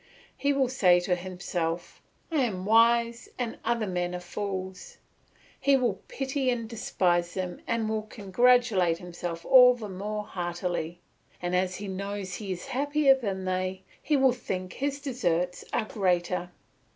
He will say to himself, "I am wise and other men are fools." He will pity and despise them and will congratulate himself all the more heartily; and as he knows he is happier than they, he will think his deserts are greater.